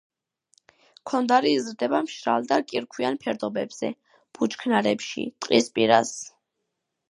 ქონდარი იზრდება მშრალ და კირქვიან ფერდობებზე, ბუჩქნარებში, ტყის პირას.